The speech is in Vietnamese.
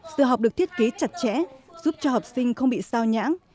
giờ học được thiết kế chặt chẽ giúp cho học sinh không bị sao nhãng